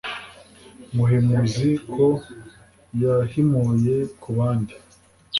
muhimuzi ko yhimuye kubandi